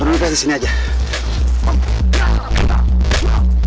ada apa ini